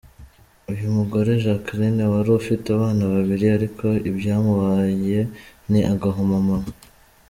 Uyu mugore Jacqueline wari ufite abana babiri ariko ibyamubaye ni agahomamunwa.